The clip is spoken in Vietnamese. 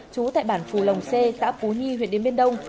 trú tại bản phù lồng c xã phú nhi huyện điện biên đông